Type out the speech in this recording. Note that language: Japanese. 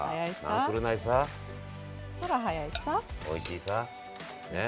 おいしいさ。